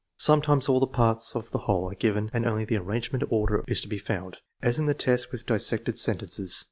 Sometimes all the parts of the whole are given and only the arrangement or order is to be found, as in the test with dissected sentences.